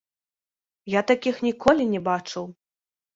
Я такіх ніколі не бачыў.